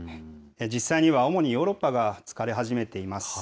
実際には、主にヨーロッパが疲れ始めています。